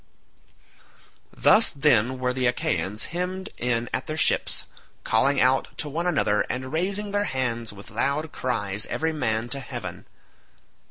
Thus then were the Achaeans hemmed in at their ships, calling out to one another and raising their hands with loud cries every man to heaven.